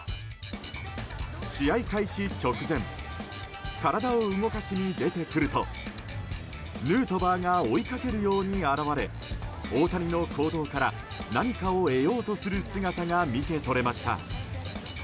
試合開始直前体を動かしに出てくるとヌートバーが追いかけるように現れ大谷の行動から何かを得ようとする姿が見て取れました。